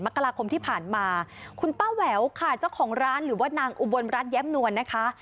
มกราคมที่ผ่านมาคุณป้าแหววค่ะเจ้าของร้านหรือว่านางอุบลรัฐแย้มนวลนะคะ